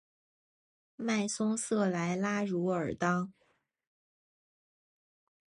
迈松瑟莱拉茹尔当。